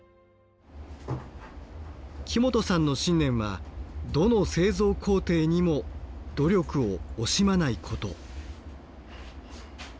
木本さんの信念はどの製造工程にも努力を惜しまないこと。